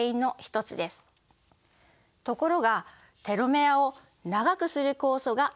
ところがテロメアを長くする酵素が働いている細胞もあります。